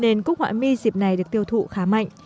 nên cúc họa mi dịp này được tiêu thụ khá mạnh